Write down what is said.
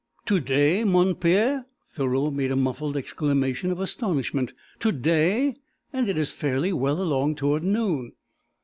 "To day, mon Père!" Thoreau made a muffled exclamation of astonishment. "To day? And it is fairly well along toward noon!"